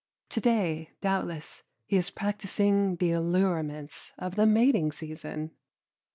To day, doubtless, he is practicing the allurements of the mating season.